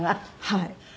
はい。